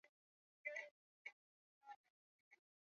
Serikali ya Australia inaendelea kupendekeza kwamba mikakati ya kupima